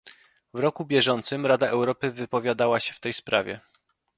W roku bieżącym Rada Europy wypowiadała się w tej sprawie